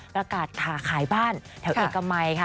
ประกาศขาขายบ้านแถวเอกมัยค่ะ